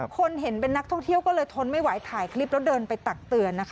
คนเห็นเป็นนักท่องเที่ยวก็เลยทนไม่ไหวถ่ายคลิปแล้วเดินไปตักเตือนนะคะ